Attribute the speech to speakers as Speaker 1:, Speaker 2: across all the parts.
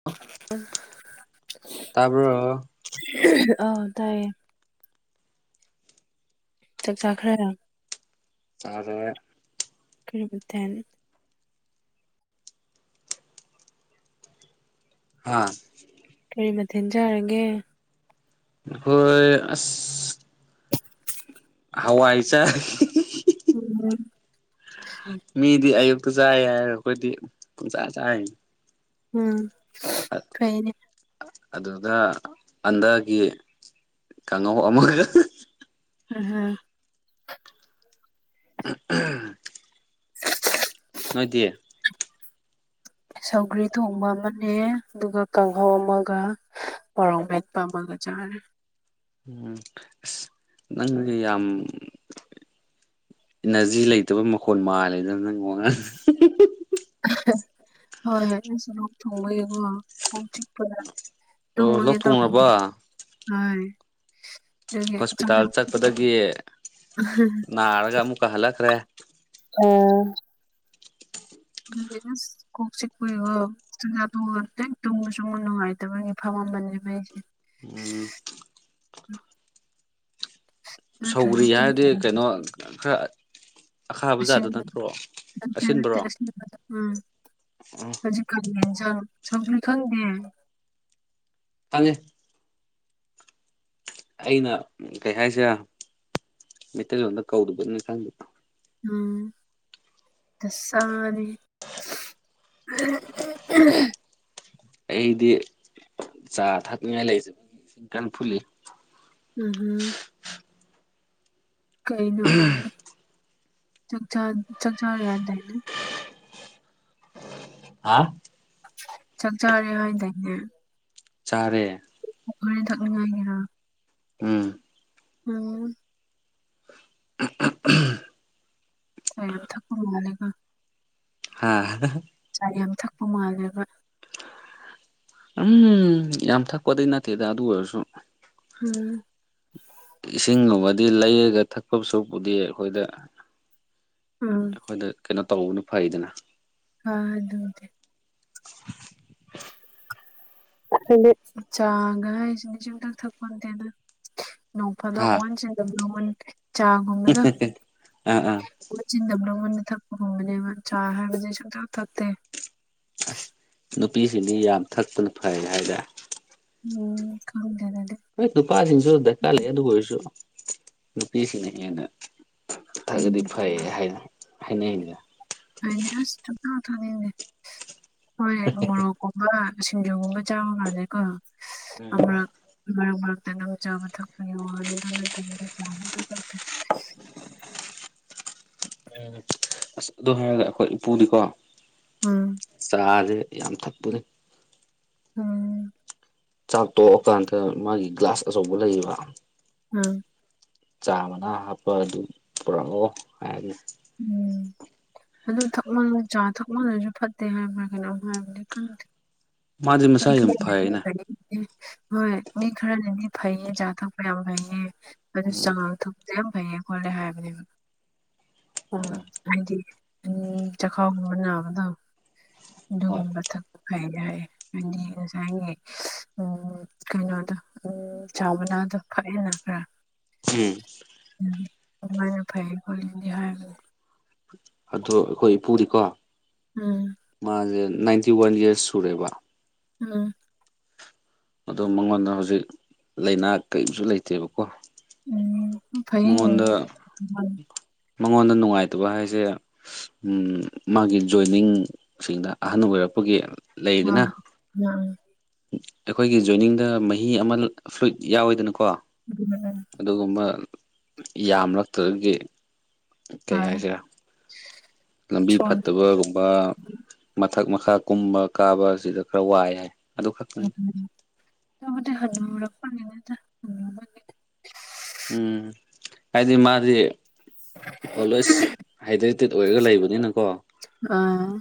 Speaker 1: [unintelligible]
Speaker 2: ꯇꯥꯕ꯭ꯔꯣ
Speaker 1: ꯑꯧ ꯇꯥꯏꯌꯦ ꯆꯥꯛ ꯆꯥꯈ꯭ꯔꯦꯅ
Speaker 2: ꯆꯥꯔꯦ
Speaker 1: ꯀꯔꯤ ꯃꯊꯦꯜ
Speaker 2: ꯍꯥꯥ
Speaker 1: ꯀꯔꯤ ꯃꯊꯦꯜ ꯆꯥꯔꯒꯦ
Speaker 2: ꯑꯈꯣꯏ ꯑꯁ ꯍꯋꯥꯏ ꯆꯥꯏ
Speaker 1: [unintelligible]
Speaker 2: ꯃꯤꯗꯤ ꯑꯌꯨꯛꯇ ꯆꯥꯏ ꯍꯥꯏꯔ ꯑꯈꯣꯏꯗꯤꯥ ꯄꯪꯆ ꯆꯥꯏꯅꯤ
Speaker 1: ꯎꯝ
Speaker 2: ꯑꯠ
Speaker 1: ꯐꯩꯅꯦ
Speaker 2: ꯑꯗꯨꯗ ꯑꯟꯗꯥꯒꯤ ꯀꯥꯡꯉꯧ ꯑꯃꯒ
Speaker 1: ꯎꯝ ꯍꯨꯝ
Speaker 2: [unintelligible] ꯅꯣꯏꯗꯤ
Speaker 1: ꯁꯧꯒ꯭ꯔꯤ ꯊꯣꯡꯕ ꯑꯃꯅꯦ ꯑꯗꯨꯒ ꯀꯥꯡꯍꯧ ꯑꯃꯒ ꯃꯣꯔꯣꯛ ꯃꯦꯠꯄ ꯑꯃꯒ ꯆꯔꯦ
Speaker 2: ꯎꯝ ꯑꯁ ꯅꯪꯗꯤ ꯌꯥꯝ ꯏꯅꯔꯖꯤ ꯂꯩꯇꯕ ꯃꯈꯣꯟ ꯃꯥꯜꯂꯦꯗ ꯅꯪ ꯋꯥꯉꯥꯡ
Speaker 1: ꯍꯣꯏ [unintelligible] ꯊꯣꯡꯃꯒꯦꯀꯣ ꯀꯣꯛ ꯆꯤꯛꯄꯗ
Speaker 2: ꯑꯣ ꯂꯣꯛ
Speaker 1: ꯇꯨꯝꯃꯒꯦ
Speaker 2: ꯊꯨꯡꯉꯕꯣ
Speaker 1: ꯇꯧꯕꯅꯦ ꯍꯣꯏ ꯑꯗꯨꯒꯤ ꯆꯥꯛ
Speaker 2: ꯍꯣꯁꯄꯤꯇꯥꯜ ꯆꯠꯄꯗꯒꯤ ꯅꯥꯔꯒ ꯑꯃꯨꯛꯀ ꯍꯜꯂꯛꯈ꯭ꯔꯦ
Speaker 1: [unintelligible] [unintelligible] ꯀꯣꯛ ꯆꯤꯛꯄꯩꯒꯣ ꯆꯥꯛꯆꯥ ꯇꯣꯛꯑꯒ ꯍꯦꯛ ꯇꯨꯝꯕꯁꯨ ꯅꯨꯡꯉꯥꯏꯇꯕꯒꯤ ꯐꯝꯃꯝꯕꯅꯦꯕ ꯑꯩꯁꯦ
Speaker 2: ꯎꯝ
Speaker 1: [inaudible] ꯅꯠꯇ꯭ꯔꯗꯤ
Speaker 2: ꯁꯧꯒ꯭ꯔꯤ
Speaker 1: ꯇꯨꯝ
Speaker 2: ꯍꯥꯏꯔꯗꯤ ꯀꯩꯅꯣ ꯈꯔ ꯑꯈꯥꯕꯖꯥꯗꯨ ꯅꯠꯇ꯭ꯔꯣ
Speaker 1: [unintelligible]
Speaker 2: ꯑꯁꯤꯟꯕ꯭ꯔꯣ
Speaker 1: ꯍꯧꯖꯤꯛꯀꯥꯟ ꯌꯦꯟꯖꯥꯡ ꯁꯧꯒ꯭ꯔꯤ ꯈꯪꯗꯦ
Speaker 2: ꯈꯪꯉꯦ ꯑꯩꯅ ꯀꯩ ꯍꯥꯏꯁꯤꯔ ꯃꯩꯇꯩꯂꯣꯟꯗ ꯀꯧꯗꯕꯅ ꯈꯪꯗꯦ
Speaker 1: ꯎꯝ ꯗꯁꯥꯅꯤꯍꯦ [unintelligible]
Speaker 2: ꯑꯩꯗꯤ ꯆꯥ ꯊꯛꯅꯤꯡꯉꯥꯏ [unintelligible] ꯀꯟ ꯐꯨꯠꯂꯤ
Speaker 1: ꯎꯝꯍꯨꯝ ꯀꯩꯅꯣ ꯆꯥꯛꯆꯥ ꯆꯥꯛꯆꯥꯥꯔꯦ ꯍꯥꯏꯗꯥꯏꯅꯦ
Speaker 2: ꯍꯥ
Speaker 1: ꯆꯛ ꯆꯔꯦ ꯍꯥꯏꯗꯥꯏꯅꯦ
Speaker 2: ꯆꯥꯔꯦ
Speaker 1: ꯍꯣꯔꯦꯟ ꯊꯛꯅꯤꯡꯉꯥꯏ ꯒꯤꯔꯣ
Speaker 2: ꯎꯝ
Speaker 1: ꯎꯝ [unintelligible]
Speaker 2: [unintelligible]
Speaker 1: [unintelligible]
Speaker 2: ꯍꯥ
Speaker 1: ꯆꯥ ꯌꯥꯝ ꯊꯛꯄ ꯃꯥꯜꯂꯦꯕ
Speaker 2: ꯎꯝ ꯌꯥꯝ ꯊꯛꯄꯗꯤ ꯅꯠꯇꯦꯗ ꯑꯗꯨ ꯑꯣꯏꯔꯁꯨ
Speaker 1: ꯎꯝ
Speaker 2: ꯏꯁꯤꯡꯒꯨꯝꯕꯗꯤ ꯂꯩꯔꯒ ꯊꯛꯄꯁꯨꯄ [unintelligible] ꯗꯤ ꯑꯩꯈꯣꯏꯗ
Speaker 1: ꯎꯝ
Speaker 2: ꯑꯩꯈꯣꯏꯗ ꯀꯩꯅꯣ ꯇꯧꯕꯅ ꯐꯩꯗꯅ
Speaker 1: ꯑ ꯑꯗꯨꯗꯤ ꯆꯥꯒ ꯍꯥꯏꯁꯦ ꯁꯨꯡꯊꯛ ꯊꯛ ꯄꯣꯟꯇꯦꯗꯥ ꯅꯣꯡ ꯐꯥꯗꯣꯛ
Speaker 2: ꯍꯥ
Speaker 1: ꯋꯥꯟꯁ ꯏꯟ ꯗ ꯕꯂꯨ ꯃꯨꯟ ꯆꯥꯒꯨꯝꯕꯗꯣ
Speaker 2: ꯑꯥ ꯑꯥ
Speaker 1: ꯃ ꯆꯤꯟꯗꯕꯅ [unintelligible] ꯃꯨꯟꯗ ꯊꯛꯄꯒꯨꯝꯕꯅꯦꯕ ꯆꯥ ꯍꯥꯏꯕꯁꯦ ꯁꯨꯡꯊꯛ ꯊꯛꯇꯦ
Speaker 2: ꯑ꯭ꯁ ꯅꯨꯄꯤꯁꯤꯡꯗꯤ ꯌꯥꯝ ꯊꯛꯄꯅ ꯐꯩ ꯍꯥꯏꯗ
Speaker 1: ꯎꯝ ꯀꯥꯎ [unintelligible] ꯗꯦꯗ ꯑꯗꯨꯦ [unintelligible]
Speaker 2: ꯍꯣꯏ ꯅꯨꯄꯥꯁꯤꯡꯁꯨ ꯗꯔꯀꯥꯔ ꯂꯩ ꯑꯗꯨ ꯑꯣꯏꯔꯁꯨ ꯅꯨꯄꯤꯁꯤꯡꯅ ꯍꯦꯟꯅ ꯊꯛꯑꯗꯤ
Speaker 1: ꯎꯝ
Speaker 2: ꯐꯩ ꯍꯥꯏꯅ ꯍꯥꯏꯅꯩꯅꯤ
Speaker 1: ꯍꯥꯏꯅꯦ [unintelligible] ꯑ꯭ꯁ ꯁꯨꯡꯊꯛ ꯊꯛꯅꯤꯡꯗꯦ ꯍꯣꯏ ꯃꯣꯔꯣꯛ [unintelligible] ꯀꯨꯝꯕ ꯁꯤꯡꯖꯨꯒꯨꯝꯕ ꯆꯥꯕ ꯃꯥꯥꯟꯂꯦꯀꯣ ꯑꯃꯔꯛ ꯃꯔꯛ ꯃꯔꯛꯇ ꯑꯗꯨꯝ ꯆꯥꯕ ꯊꯛꯄꯒꯤ ꯋꯥꯅꯤ ꯑꯗꯨ ꯅꯠꯇꯥꯦ [unintelligible] [unintelligible]
Speaker 2: ꯎ [unintelligible] ꯑ꯭ꯁ ꯑꯗꯨ ꯍꯥꯏꯔꯒ ꯑꯩꯈꯣꯏ ꯏꯄꯨꯗꯤꯀꯣ
Speaker 1: ꯎꯝ [unintelligible]
Speaker 2: ꯆꯥꯖꯦ ꯌꯥꯝ ꯊꯛꯄꯅꯦ
Speaker 1: ꯑꯪ
Speaker 2: ꯆꯥꯛ ꯇꯣꯛꯑꯀꯥꯟꯗ ꯃꯥꯒꯤ ꯒ꯭ꯂꯥꯁ ꯑꯆꯧꯕ ꯂꯩꯌꯦꯕ
Speaker 1: ꯑꯪ
Speaker 2: ꯆꯥ ꯃꯅꯥ ꯍꯥꯞꯄ ꯑꯗꯨ ꯄꯨꯔꯛꯑꯣ ꯍꯥꯏꯔꯅꯤ
Speaker 1: ꯎꯝ ꯑꯗꯨ ꯊꯛꯃꯜ ꯆꯥ ꯊꯛꯃꯜꯂꯖꯨ ꯐꯠꯇꯦ ꯍꯥꯏꯕ꯭ꯔꯥ ꯀꯩꯅꯣꯝ ꯍꯥꯏꯕꯅꯦ ꯈꯡꯗꯦ
Speaker 2: ꯃꯥꯗꯤ
Speaker 1: ꯃꯤ
Speaker 2: ꯃꯁꯥ ꯌꯥꯝ
Speaker 1: ꯈꯔ
Speaker 2: ꯐꯩꯅ
Speaker 1: [unintelligible] ꯍꯣꯏ ꯃꯤ ꯈꯔꯅꯗꯤ ꯐꯩꯌꯦ ꯆꯥ ꯊꯣꯛꯄ ꯌꯥꯝ ꯐꯩꯌꯦ ꯑꯗꯨ
Speaker 2: ꯎꯝ
Speaker 1: ꯆꯥꯉꯥꯡ ꯊꯛ ꯌꯥꯝ ꯐꯩꯌꯦ ꯈꯣꯠꯂꯦ ꯍꯥꯏꯕꯅꯦꯕ ꯎꯝ ꯍꯥꯏꯗꯤ ꯎꯝ ꯆꯈꯥꯎꯒꯨꯝꯕ ꯅꯥꯕꯗꯨ
Speaker 2: ꯍꯣꯏ
Speaker 1: ꯑꯗꯨꯒꯨꯝꯕ ꯊꯛꯄ ꯐꯩꯌꯦ ꯍꯥꯏꯌꯦ ꯍꯥꯏꯗꯤ ꯉꯁꯥꯏꯒꯤ ꯎꯝ ꯀꯩꯅꯣꯗꯨ ꯎꯝ ꯆꯥꯃꯅꯥꯗꯣ ꯐꯛꯑꯦꯅ ꯈꯔ
Speaker 2: ꯎꯝ [unintelligible]
Speaker 1: ꯎꯝ ꯑꯗꯨꯃꯥꯏꯅ ꯐꯩ ꯈꯣꯂꯤꯗꯤ ꯍꯥꯏꯕꯅꯦ
Speaker 2: ꯑꯗꯣ ꯑꯩꯈꯣꯏ ꯏꯄꯨꯗꯤꯀꯣ
Speaker 1: ꯎꯝ
Speaker 2: ꯃꯥꯖꯦ ꯅꯥꯏꯟꯇꯤ ꯋꯥꯟ ꯌ꯭ꯔꯁ ꯁꯨꯔꯦꯕ
Speaker 1: ꯎꯝ [unintelligible]
Speaker 2: ꯑꯗꯣ ꯃꯉꯣꯟꯗ ꯍꯧꯖꯤꯛ ꯂꯩꯅꯥ ꯀꯩꯁꯨ ꯂꯩꯇꯦꯕꯀꯣ
Speaker 1: ꯎꯝ ꯐꯩꯌꯦꯅꯦ ꯗ
Speaker 2: ꯃꯉꯣꯟꯗ
Speaker 1: [unintelligible]
Speaker 2: ꯃꯉꯣꯟꯗ ꯅꯨꯡꯉꯥꯏꯇꯕ ꯍꯥꯏꯁꯦ ꯎ ꯃꯥꯒꯤ ꯖꯣꯏꯅꯤꯡꯁꯤꯡꯗ ꯑꯍꯟ ꯑꯣꯏꯔꯛꯄꯒꯤ
Speaker 1: ꯎ
Speaker 2: ꯂꯩꯗꯅ
Speaker 1: ꯎ
Speaker 2: ꯑꯩꯈꯣꯏꯒꯤ ꯖꯣꯏꯅꯤꯡꯗ ꯃꯍꯤ ꯑꯃ ꯐ꯭ꯂꯨꯏꯠ ꯌꯥꯎꯋꯤꯗꯅꯀꯣ
Speaker 1: ꯎꯝ
Speaker 2: ꯑꯗꯨꯒꯨꯝꯕ ꯌꯥꯝꯂꯛꯇꯒꯤ ꯀꯩ ꯍꯥꯏꯁꯔꯦ ꯂꯝꯕꯤ ꯐꯠꯇꯕꯒꯨꯝꯕ ꯃꯊꯛ ꯃꯈꯥ ꯀꯨꯝꯕ ꯀꯥꯕꯕꯁꯤꯗ ꯈꯔ ꯋꯥꯏ ꯍꯥꯏ ꯑꯗꯨ ꯈꯛꯇꯅꯤ
Speaker 1: ꯑꯗꯨꯨꯗꯤ ꯍꯅꯨꯔꯛꯄꯒꯤꯅꯤ ꯗ
Speaker 2: ꯎꯝ ꯍꯥꯏꯗꯤ ꯃꯥꯗꯤ ꯑꯣꯜꯋꯦꯁ ꯍꯥꯏꯗ꯭ꯔꯦꯇꯦꯠ ꯑꯣꯏꯔꯒ ꯂꯩꯕꯅꯤꯅ ꯀꯣ
Speaker 1: ꯑꯥ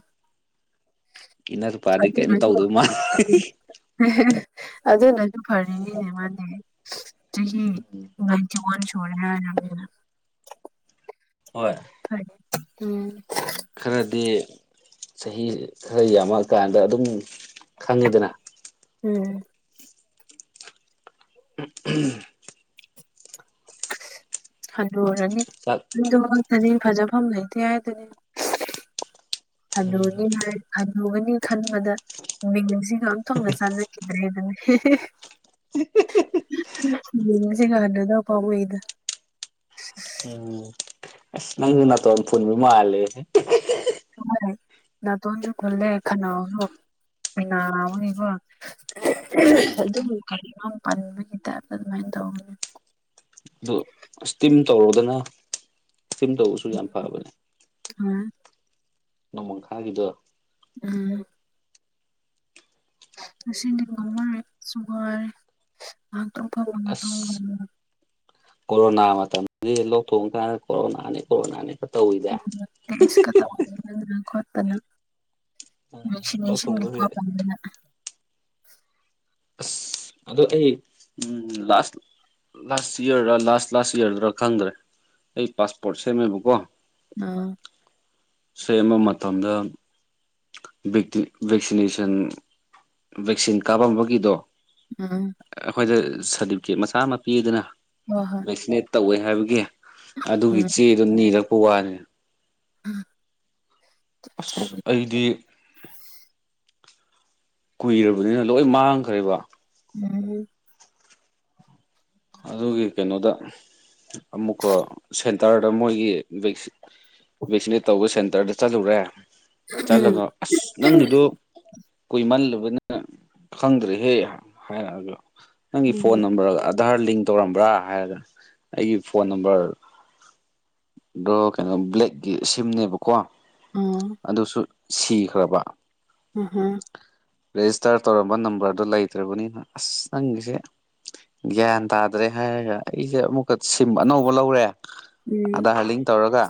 Speaker 2: ꯀꯤꯅꯔꯨꯄꯥꯗꯤ ꯀꯔꯤꯝ
Speaker 1: ꯑꯗꯨꯅꯁꯨ
Speaker 2: ꯇꯧꯗꯣꯏ ꯃꯥꯜꯂꯤ
Speaker 1: ꯑꯗꯨꯅꯁꯨ ꯐꯔꯤꯅꯤꯅꯦ ꯃꯥ ꯗꯤ ꯆꯍꯤ ꯅꯥꯏꯟꯇꯤ ꯋꯥ ꯟ ꯊ [unintelligible]
Speaker 2: ꯍꯣꯏ
Speaker 1: ꯍꯣꯏ ꯎꯝ
Speaker 2: ꯈ꯭ꯔꯗꯤ ꯆꯍꯤ ꯈ꯭ꯔꯥ ꯌꯥꯝꯃꯛꯀꯥꯟꯗ ꯑꯗꯨꯝ ꯈꯪꯉꯤꯗꯅ
Speaker 1: ꯎꯝ
Speaker 2: ꯎꯝ [unintelligible]
Speaker 1: ꯍꯟꯂꯨꯔꯅꯤ
Speaker 2: ꯆꯥꯛ
Speaker 1: ꯑꯗꯨ ꯃꯛ ꯇꯥꯗꯤ ꯐꯖꯐꯝ ꯂꯩꯇꯦ ꯍꯥꯏꯗꯨꯅꯤ ꯍꯅꯣꯅꯤ ꯍꯥꯏ ꯍꯅꯨꯨꯒꯅꯤ ꯈꯟꯕꯗ ꯃꯤꯅꯧꯡꯁꯤꯒ ꯑꯟꯊꯣꯛꯅ ꯆꯥꯟꯅꯈꯤꯗ꯭ꯔꯦ ꯅꯪ
Speaker 2: [unintelligible]
Speaker 1: ꯌꯦꯡꯉꯁꯤꯚ ꯍꯅꯨꯕ ꯀꯧ ꯏ ꯗ
Speaker 2: ꯎꯝ ꯑꯁ ꯅꯪꯖꯨ ꯅꯇꯣꯟ ꯐꯣꯟꯕꯥ ꯃꯥꯜꯂꯦ ꯍꯦ
Speaker 1: ꯍꯣꯏ ꯅꯥꯇꯣꯟꯁꯨ ꯐꯨꯅꯜꯂꯦ ꯈꯅꯥꯎꯁꯨ ꯅꯥꯕꯅꯤꯀꯣ
Speaker 2: ꯎꯝ
Speaker 1: ꯑꯗꯨꯃ ꯀꯩꯅꯣ ꯄꯟꯕꯒꯤ ꯇꯥꯏꯞꯇ ꯑꯗꯨꯃꯥꯏꯅ ꯇꯧꯕꯅꯦ
Speaker 2: ꯑꯗꯨ ꯁꯇꯤꯝ ꯇꯧꯔꯣꯗꯅ ꯁꯇꯤꯝ ꯇꯧꯕꯁꯨ ꯌꯥꯝ ꯐꯕꯅꯦ
Speaker 1: ꯍ
Speaker 2: ꯅꯣꯃꯪꯈꯥꯒꯤꯗꯣ
Speaker 1: ꯎꯝ ꯉꯁꯤꯗꯤ ꯉꯝꯃꯔꯣꯏ ꯁꯨꯒꯔ ꯉꯥꯏꯍꯥꯛꯇꯪ ꯐꯝꯃꯒ ꯇꯧꯕ
Speaker 2: ꯑꯁ ꯀꯣꯔꯣꯅꯥ ꯃꯇꯝꯗꯤ ꯂꯣꯀ ꯊꯣꯡ ꯀꯥꯟꯗ ꯀꯣꯔꯣꯅꯥꯅꯤ ꯀꯣꯔꯣꯅꯥꯅꯤ ꯈꯛ ꯇꯧꯋꯤꯗ
Speaker 1: ꯐꯗꯅ ꯈꯣꯠꯇꯅ
Speaker 2: ꯂꯣꯛ
Speaker 1: ꯚꯦꯛꯁꯤꯅꯦꯁꯟ
Speaker 2: ꯊꯨꯡꯕꯒꯤ
Speaker 1: ꯀꯥꯞ ꯇꯧꯗꯅ꯫
Speaker 2: ꯑꯁ ꯑꯗꯣ ꯑꯩ ꯎꯝ ꯂꯥꯁ ꯂꯥꯁ ꯌꯔꯗ ꯂꯥꯁ ꯂꯥꯁ ꯌꯔꯗ ꯈꯪꯗ꯭ꯔꯦ ꯑꯩ ꯄꯥꯁꯄꯣꯔꯠ ꯁꯦꯝꯃꯦꯕꯀꯣ꯫
Speaker 1: ꯑ꯫
Speaker 2: ꯁꯦꯝꯕ ꯃꯇꯝꯗ꯫ Vaccination vaccine ꯀꯥꯞꯄꯝꯕꯒꯤꯗꯣ꯫
Speaker 1: ꯎꯝ
Speaker 2: ꯑꯩꯈꯣꯏꯗ ꯁꯥꯔꯇꯤꯐꯤꯀꯦꯠ ꯃꯆꯥ ꯑꯃ ꯄꯤꯗꯅ꯫
Speaker 1: ꯍꯣꯏ ꯍꯣꯏ
Speaker 2: ꯚꯦꯛꯁꯤꯅꯦꯠ ꯇꯧꯋꯦ ꯍꯥꯏꯕꯒꯤ ꯑꯗꯨꯒꯤ
Speaker 1: ꯎꯝ
Speaker 2: ꯆꯦꯗꯣ ꯅꯤꯔꯛꯄ ꯋꯥꯅꯤ꯫ ꯑꯁ
Speaker 1: ꯆꯠꯂꯤ
Speaker 2: ꯑꯩꯗꯤ꯫ ꯀꯨꯏꯔꯕꯅꯤꯅ ꯂꯣꯏ ꯃꯥꯡꯈ꯭ꯔꯦꯕ꯫
Speaker 1: ꯎꯝ
Speaker 2: ꯑꯗꯨꯒꯤ ꯀꯩꯅꯣꯗ ꯑꯃꯨꯛꯀꯣ ꯁꯦꯟꯇꯔꯗ ꯃꯣꯢꯒꯤ ꯚꯦꯛꯁꯤꯟ ꯚꯦꯛꯁꯤꯅꯦꯠ ꯇꯧꯕ ꯁꯦꯟꯇꯔꯗ ꯆꯠꯂꯨꯔꯦ ꯆꯠꯂꯒ ꯑꯁ ꯅꯪꯒꯤꯗꯨ ꯀꯨꯢꯃꯜꯂꯨꯕꯅ ꯈꯪꯗ꯭ꯔꯦꯍꯦ ꯍꯥꯢꯔꯛꯑꯖꯨ ꯅꯪꯒꯤ ꯐꯣꯟ
Speaker 1: ꯎꯝ
Speaker 2: ꯅꯝꯕꯔ ꯑꯙꯥꯔ ꯂꯤꯡ ꯇꯧꯔꯝꯕ꯭ꯔꯥ ꯍꯥꯢꯔꯒ ꯑꯩꯒꯤ ꯐꯣꯟ ꯅꯝꯕꯔ ꯗꯣ ꯀꯩꯅꯣ ꯕ꯭ꯂꯦꯛꯀꯤ ꯁꯤꯝꯅꯦꯕ ꯀꯣ
Speaker 1: ꯑꯣ
Speaker 2: ꯑꯗꯨꯁꯨ ꯁꯤꯈ꯭ꯔꯕ
Speaker 1: ꯎꯝ ꯍꯨꯝ
Speaker 2: ꯔꯦꯖꯤꯁꯇꯥꯔ ꯇꯧꯔꯝꯕ ꯅꯝꯕꯔꯗꯣ ꯂꯩꯇ꯭ꯔꯕꯅꯤꯅ ꯑꯁ ꯅꯪꯒꯤꯖꯦ ꯒ꯭ꯌꯥꯟ ꯇꯥꯗ꯭ꯔꯦ ꯍꯥꯢꯔꯒ ꯑꯩꯖꯦ ꯑꯃꯨꯛꯀ ꯁꯤꯝ ꯑꯅꯧꯕ ꯂꯧꯔꯦ ꯑꯗꯥ
Speaker 1: ꯎꯝ
Speaker 2: ꯂꯤꯡ ꯇꯧꯔꯒ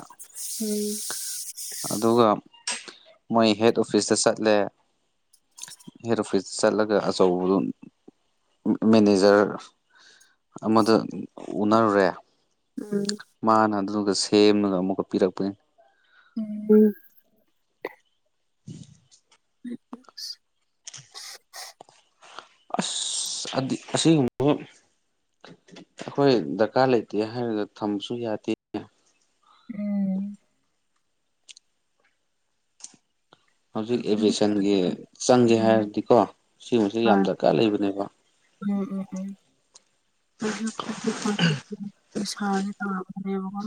Speaker 2: ꯑꯗꯨꯒ ꯃꯣꯢ ꯍꯦꯠ ꯑꯣꯐꯤꯁꯇ ꯆꯠꯂꯦ ꯍꯦꯠ ꯑꯣꯐꯤꯁ ꯆꯠꯂꯒ ꯑꯆꯧꯕꯗꯣ ꯃꯦꯅꯦꯖꯔ ꯔꯣ ꯑꯃꯗ ꯎꯅꯔꯨꯔꯦ
Speaker 1: ꯎꯝ
Speaker 2: ꯃꯥꯅ ꯑꯗꯨꯗꯨꯒ ꯁꯦꯝꯃꯒ ꯑꯃꯨꯛꯀ ꯄꯤꯔꯛꯄꯅꯦ
Speaker 1: ꯎꯝ ꯎꯝ [unintelligible]
Speaker 2: ꯑꯁ ꯑꯟꯗꯤ ꯑꯁꯤꯒꯨꯝꯕ ꯑꯈꯣꯢ ꯗꯔꯀꯥꯔ ꯂꯩꯇꯦ ꯍꯥꯢꯔꯒ ꯊꯝꯕꯁꯨ ꯌꯥꯗꯦ
Speaker 1: ꯎꯝ
Speaker 2: ꯍꯧꯖꯤꯛ ꯑꯦꯕꯦꯁꯟꯒꯤ ꯆꯪꯒꯦ ꯍꯥꯢꯔꯗꯤꯀꯣ ꯁꯤꯒꯨꯝꯕꯕꯁꯦ ꯌꯥꯝ
Speaker 1: ꯑꯥ
Speaker 2: ꯗꯔꯀꯥꯔ ꯂꯩꯕꯅꯦꯕ
Speaker 1: ꯎꯝ ꯎꯝ ꯎꯝ ꯑꯩ ꯏꯁꯥꯐꯠꯇꯦ ꯄꯥꯁ ꯅꯤꯁꯥꯒꯤ ꯇꯧꯔꯕꯅꯦꯕꯀꯣ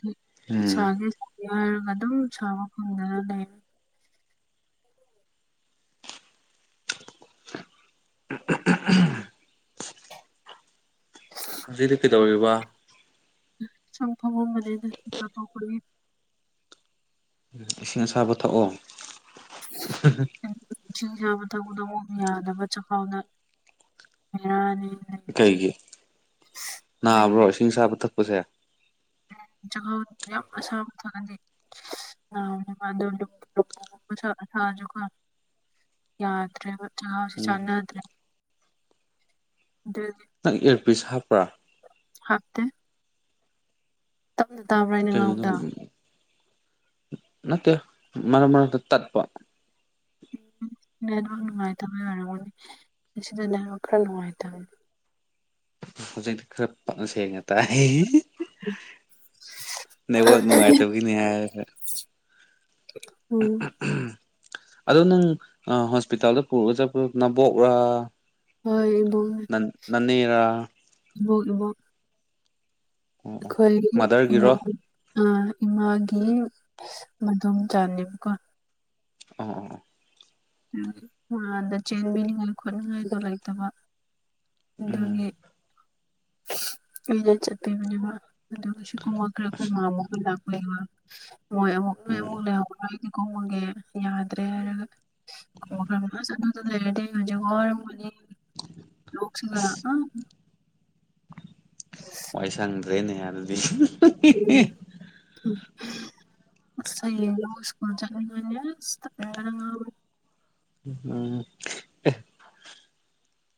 Speaker 1: ꯑꯩ
Speaker 2: ꯎꯝ
Speaker 1: ꯅꯤꯁꯥꯒꯤ ꯌꯥꯔꯒ ꯑꯗꯨꯝ ꯁꯥꯕ ꯐꯪꯗꯅ ꯂꯩ
Speaker 2: [unintelligible] ꯍꯧꯖꯤꯛꯗꯤ ꯀꯩꯗꯧꯔꯤꯕ
Speaker 1: ꯁꯨꯝ ꯐꯃꯝꯕꯅꯤꯗ ꯅꯥꯟꯊꯣꯛꯄꯒꯤ
Speaker 2: ꯏꯁꯤꯡ ꯑꯁꯥꯕ ꯊꯛꯑꯣ
Speaker 1: ꯏꯁꯤꯡ ꯑꯁꯥꯕ ꯊꯛꯄꯗꯨ ꯑꯃꯨꯛ ꯌꯥꯗꯕ ꯆꯈꯥꯎꯗ ꯌꯥꯅꯤ
Speaker 2: ꯀꯩꯒꯤ
Speaker 1: ꯍꯥꯏꯗꯤ
Speaker 2: ꯅꯥꯕ꯭ꯔꯣ ꯏꯁꯤꯡ ꯑꯁꯥꯕ ꯊꯛꯄꯁꯦ
Speaker 1: ꯆꯈꯥꯎ ꯌꯥꯝ ꯑꯁꯥꯕ ꯊꯛꯑꯗꯤ ꯅꯔꯣꯢꯗꯧꯕ ꯑꯗꯨ ꯃꯁꯥ ꯁꯥꯔꯖꯨꯀꯣ ꯌꯥꯗ꯭ꯔꯦꯕ ꯆꯒꯥꯥꯎꯁꯤ
Speaker 2: ꯎꯝ
Speaker 1: ꯆꯥꯟꯅꯗ꯭ꯔꯦ ꯑꯗꯨꯒꯤ
Speaker 2: ꯅꯪ ꯑꯦꯔꯄꯤꯁ ꯍꯥꯞꯄ꯭ꯔꯥ
Speaker 1: ꯍꯥꯞꯇꯦ ꯇꯞꯅ ꯇꯥꯕ꯭ꯔꯩ
Speaker 2: ꯀꯩꯅꯣꯅꯦ ꯅꯠꯇꯦ ꯃꯔꯛ ꯃꯔꯛꯇ ꯇꯠꯄ
Speaker 1: ꯎꯝ ꯅꯦꯠꯋꯥꯛ ꯅꯨꯡꯉꯥꯢꯇꯕꯩ ꯑꫭꯢꯔꯝ ꯁꯤꯗ ꯅꯦꯠꯋꯥꯛ ꯈꯔ ꯅꯨꯡꯉꯥꯢꯇꯥꯕꯅꯤ
Speaker 2: ꯍꯧꯖꯤꯛ ꯈꯔ ꯐꯖꯅ ꯁꯦꯡꯅ ꯇꯥꯢ ꯅꯦꯠꯋꯥꯛ ꯅꯨꯡꯉꯥꯢꯇꯕꯒꯤꯅꯤ ꯍꯥꯢꯔꯒ
Speaker 1: ꯎꯝ
Speaker 2: ꯑꯗꯨ ꯅꯪ ꯑ ꯍꯣꯁꯄꯤꯇꯥꯜꯗ ꯄꯨꯔꯒ ꯆꯠꯄꯗꯨ ꯅꯕꯣꯛꯔꯥ
Speaker 1: ꯍꯣꯏ
Speaker 2: ꯅꯟ ꯅꯅꯦꯔꯥ
Speaker 1: ꯏꯕꫭꯛ ꯏꯕꫭꯛ
Speaker 2: ꯑꯣ ꯑꯣ
Speaker 1: ꯑꯈꯣꯢꯒꯤ
Speaker 2: ꯃꯥꯗꯔꯒꯤꯔꯣ
Speaker 1: ꯏꯃꯥꯟ ꯑꯥ ꯏꯃꯥꯒꯤ ꯃꯗꯣꯝ ꯆꯥꯅꯦꯕꯀꯣ
Speaker 2: ꯑꯥ ꯑꯥ ꯑꯥ
Speaker 1: ꯃꯥꯟꯗ ꯆꯦꯟꯕꯤꯅꯤꯡꯉꯥꯏ ꯈꯣꯠꯅꯤꯡꯉꯥꯏꯗꯣ ꯂꯩꯇꯕ
Speaker 2: ꯎꯝ
Speaker 1: ꯑꯗꯨꯒꯤ [unintelligible] ꯑꯩꯅ ꯆꯠꯄꯤꯕꯅꯦꯕ ꯑꯗꯨꯒꯤꯁꯨꯀꯣ ꯋꯥ
Speaker 2: ꯑꯁ ꯎꯝ
Speaker 1: [unintelligible] ꯀꯨꯝꯃꯒꯦ ꯌꯥꯗ꯭ꯔꯦ ꯍꯥꯏꯔꯒ [unintelligible] ꯂꯣꯛꯁꯤꯒ
Speaker 2: ꯑꯁ
Speaker 1: ꯑꯥ [inaudible]
Speaker 2: ꯋꯥꯏ ꯁꯪꯗ꯭ꯔꯦꯅꯦ ꯑꯗꯨꯗꯤ [unintelligible]
Speaker 1: ꯎꯝ ꯎꯝ ꯑꯁ ꯍꯌꯦꯡꯗꯤ ꯑꯃꯨꯛ ꯁ꯭ꯀꯨꯜ ꯆꯠꯂꯨꯗꫭꯏꯅꯤ ꯑꯁ ꯇꯟꯕꯅ ꯉꯥꯎꯔꯦ
Speaker 2: ꯎꯝ ꯑꯦ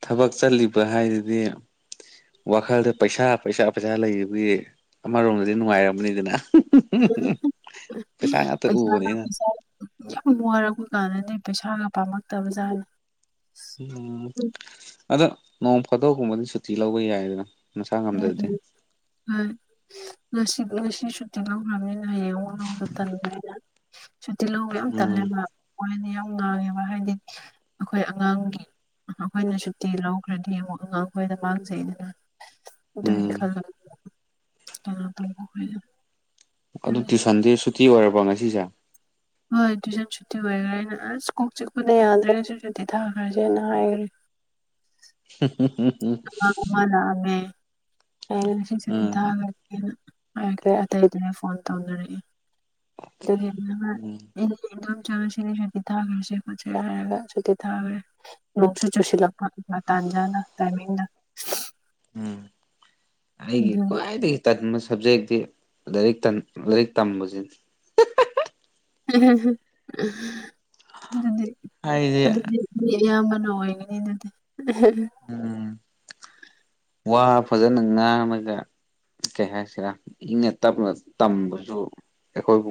Speaker 2: ꯊꯕꯛ ꯆꯠꯂꯤꯕ ꯍꯥꯏꯗꯨꯗꯤ ꯋꯥꯈꯜꯗ ꯄꯩꯁꯥ ꯄꯩꯁꯥ ꯄꯩꯁꯥ ꯂꯩꯕꯒꯤ ꯑꯃꯔꯣꯝꯗꯗꯤ ꯅꯨꯡꯉꯥꯏꯔꯝꯒꯅꯤꯗꯅ [unintelligible] [unintelligible] ꯄꯩꯁꯥ ꯉꯥꯛꯇ
Speaker 1: ꯄꯩꯁꯥꯒ
Speaker 2: ꯎꯕꯅꯤꯅ
Speaker 1: ꯄꯩꯁꯥ ꯌꯥꯝ ꯋꯥꯔꯛꯄ ꯀꯥꯟꯗꯗꯤ ꯄꯩꯁꯥꯒ ꯄꯥꯝꯃꯛꯇꯕ ꯖꯥꯠꯅꯦ ꯁꯤ
Speaker 2: ꯎꯝ ꯑꯗꯣ ꯅꯣꯡ ꯐꯥꯗꫭꯛꯒꯨꯝꯕꯗꯤ ꯁꯨꯇꯤ ꯂꯧꯕ ꯌꯥꯏꯗꯅ ꯅꯁꯥ ꯉꯝꯗꯗꯤ
Speaker 1: ꯎꯝ ꯉꯁꯤ ꯉꯁꯤ ꯁꯨꯇꯤ ꯂꯧꯈꯔꯝꯅꯤꯅ ꯍꯌꯦꯡꯃꯨꯛ ꯂꯧꯕ ꯇꯟꯕ ꯑꯩꯅ ꯁꯨꯇꯤ ꯂꯧꯕ ꯌꯥꯝ
Speaker 2: ꯎꯝ
Speaker 1: ꯇꯜꯂꯦꯕ ꯑꯣꯏꯔꯗꯤ ꯌꯥꯝ ꯉꯥꯡꯉꯦꯕ ꯍꯥꯏꯗꯤ ꯑꯈꯣꯏ ꯑꯉꯥꯡꯒꯤ ꯑꯈꯣꯏꯅ ꯁꯨꯇꯤ ꯂꯧꯈ꯭ꯔꯗꯤ ꯑꯃꯨꯛ ꯑꯉꯥꯡꯈꯣꯏꯗ ꯃꯥꯡꯖꯩꯗꯅ ꯑꯗꯨꯢ
Speaker 2: ꯎꯝ
Speaker 1: ꯈꯜꯂꯒ ꯀꯩꯅꯣ ꯇꯧꯕ ꯑꯈꯣꯢꯗꯣ
Speaker 2: ꯑꯗꯨ ꯇꯨꯢꯁꯟꯗꯤ ꯁꯨꯇꯤ ꯑꯣꯏꯔꯕ꯭ꯔꯣ ꯉꯁꯤꯁꯦ
Speaker 1: ꯍꯣꯏ ꯇꯨꯏꯁꯟ ꯁꯨꯇꯤ ꯑꯣꯏꯒ꯭ꯔꯦ ꯑꯩꯅ ꯑꯁ ꯀꯣꯛ ꯆꯤꯛꯄꯅ ꯌꯥꯗ꯭ꯔꯦ ꯁꯤ ꯁꯨꯇꯤ ꯊꯥꯈ꯭ꯔꯁꯦꯅ ꯍꯥꯏꯈ꯭ꯔꯦ
Speaker 2: [inaudible]
Speaker 1: ꯃꯥꯅꯥ ꯎꯝꯃꯦ ꯑꯩꯅ ꯉꯁꯤ ꯁꯨꯇꯤ
Speaker 2: ꯎꯝ
Speaker 1: ꯊꯥꯈ꯭ꯔꯁꯦꯅ ꯍꯥꯏꯈ꯭ꯔꯦ ꯑꯇꯩꯗꯨꯅꯦ ꯐꯣꯟ ꯇꯧꯅꯔꯛꯑꯦ ꯑꯗꯨ [unintelligible] ꯑꯩ [unintelligible] ꯉꯁꯤꯗꯤ ꯁꯨꯇꯤ ꯊꯥꯈ꯭ꯔ ꯁꯤ ꯈꯣꯠꯁꯦ ꯍꯥꯏꯔꯒ ꯁꯨꯇꯤ ꯊꯥꯈ꯭ꯔꯦ ꯅꯣꯡꯁꯨ ꯆꯨꯁꯤꯜꯂꯛꯄ ꯃꯇꯥꯟꯖꯥꯅ ꯇꯥꯏꯃꯤꯡꯗ
Speaker 2: ꯎꯝ ꯑꯩꯒꯤ
Speaker 1: ꯑꯗꯨꯒꯤ
Speaker 2: ꯈ꯭ꯋꯥꯢꯗꯒꯤ ꯇꯟꯕ ꯁꯕꯖꯦꯛꯇꯤ ꯂꯥꯏꯔꯤꯛ ꯇꯟ ꯂꯥꯏꯔꯤꯛ ꯇꯝꯕꯖꯤꯅꯤ
Speaker 1: [unintelligible] ꯑꯗꯨꯗꯤ
Speaker 2: ꯍꯥꯏꯗꯤ
Speaker 1: ꯑꯗꯨꯗꯤ ꯃꯤ ꯑꯌꯥꯝꯕꯅ ꯑꯣꯏꯒꯅꯤ ꯑꯗꯨꯗꯤ [unintelligible]
Speaker 2: ꯎꯝ ꯋꯥ ꯐꯖꯅ ꯉꯥꯡꯃꯒ ꯀꯩ ꯍꯥꯏꯁꯤꯔ ꯏꯪꯅ ꯇꯞꯅ ꯇꯝꯕꯖꯨ ꯑꯩꯈꯣꯏꯕꯨ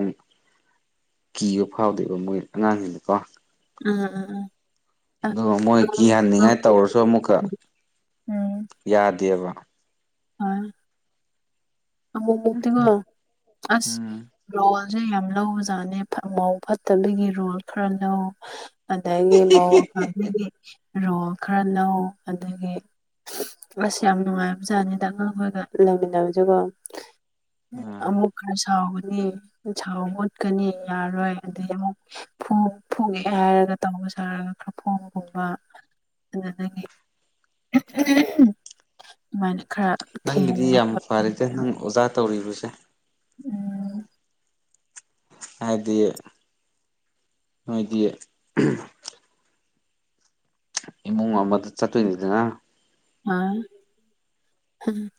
Speaker 2: ꯀꯤꯕ ꯐꯥꯎꯗꯦꯕ ꯃꯣꯏ ꯑꯉꯥꯡꯖꯤꯡꯅꯀꯣ
Speaker 1: ꯑꯥ ꯑꯥ ꯑꯥ
Speaker 2: ꯑꯗꯨꯒ ꯃꯣꯏ ꯀꯤꯍꯟꯅꯤꯡꯉꯥꯏ
Speaker 1: ꯑꯥ
Speaker 2: ꯇꯧꯔꯁꯨ ꯑꯃꯨꯛꯀ ꯌꯥꯗꯦꯕ
Speaker 1: ꯍꯣꯢ ꯑꯃꯨꯛ ꯃꯨꯛꯇꯤ ꯀꯣ ꯑꯁ
Speaker 2: ꯎꯝ
Speaker 1: ꯔꯣꯜꯖꯦ ꯌꯥꯝ ꯂꯧꯕ ꯖꯥꯠꯅꯦ ꯐꯥ ꯃꯧ ꯐꯠꯇꯕꯤꯒꯤ ꯔꯣꯜ ꯈꯔ ꯂꯧ ꯑꯗꯒꯤ ꯃꯧ ꯐꯕꯤꯒꯤ ꯔꯣꯜ ꯈꯔ ꯂꯧ ꯑꯗꯒꯤ ꯑꯁ ꯌꯥꯝ ꯅꯨꯡꯉꯥꯏꯕ ꯖꯥꯠꯅꯤꯗ ꯑꯉꯥꯡꯈꯣꯏꯒ ꯂꯩꯃꯤꯟꯅꯕꯖꯦꯀꯣ ꯑꯃꯨꯛ ꯈꯔ ꯁꯥꯎꯒꯅꯤ ꯁꯥꯎ ꯑꯣꯠꯀꯅꯤ ꯌꯥꯔꯣꯏ ꯑꯗꯩ ꯑꯃꯨꯛ ꯐꯨ ꯐꯨꯒꯦ ꯍꯥꯏꯔꯒ ꯇꯧꯕ ꯁꯥꯔꯒ ꯈꯔ [unintelligible] ꯑꯗꯨꯗꯒꯤ ꯑꯗꯨꯃꯥꯏꯅ ꯈꯔ
Speaker 2: ꯅꯪꯒꯤꯗꯤ
Speaker 1: ꯊꯦꯝꯕ
Speaker 2: ꯌꯥꯝ
Speaker 1: ꯈꯣꯠꯄ
Speaker 2: ꯐꯔꯦꯗꯦ ꯅꯪ ꯑꯣꯖꯥ ꯇꯧꯔꯤꯕꯁꯦ
Speaker 1: ꯎꯝ
Speaker 2: ꯍꯥꯏꯗꯤ ꯅꯣꯏꯗꯤ ꯏꯃꯨꯡ ꯑꯃꯗ ꯆꯠꯇꯣꯏꯅꯤꯗꯅ
Speaker 1: ꯑꯥ ꯎꯝ